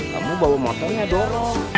kamu bawa motornya dorong